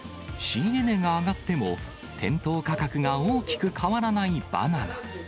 仕入れ値が上がっても、店頭価格が大きく変わらないバナナ。